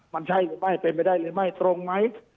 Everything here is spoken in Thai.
มันใช่ไม่ได้เป็นไม่ได้หรือไม่ตรงไหม